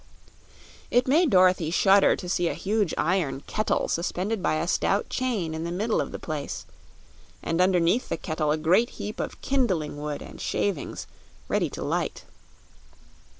It made Dorothy shudder to see a huge iron kettle suspended by a stout chain in the middle of the place, and underneath the kettle a great heap of kindling wood and shavings, ready to light.